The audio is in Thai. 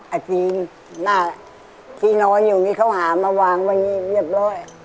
อาจถึงที่นอนอยู่นี่เขาหามาวางวันนี้เรียบร้อย